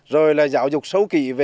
rồi là giáo dục sâu kỳ về